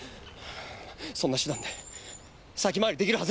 そんな手段で先回り出来るはずがない。